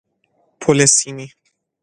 پل سیمی